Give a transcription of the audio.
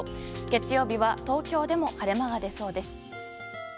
月曜日は東京でも晴れ間が出そうです。